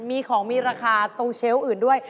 มีของมีราคาตรงเชลล์อื่นด้วย